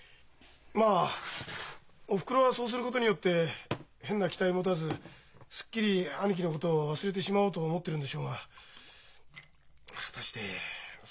まあおふくろはそうすることによって変な期待持たずすっきり兄貴のことを忘れてしまおうと思ってるんでしょうが果たしてそれでいいのかどうか。